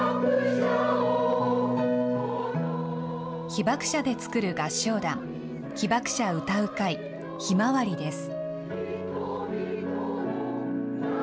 被爆者で作る合唱団、被爆者歌う会ひまわりです。